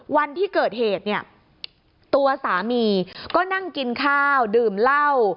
วันที่เกิดเหตุเนี่ยตัวสามีก็นั่งกินข้าวดื่มเหล้า